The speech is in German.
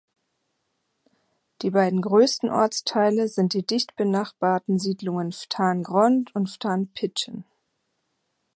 Die beiden größten Ortsteile sind die dicht benachbarten Siedlungen Ftan Grond und Ftan Pitschen.